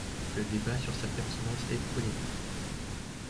Le débat sur sa pertinence est polémique.